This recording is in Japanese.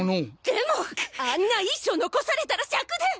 でもあんな遺書残されたら癪で！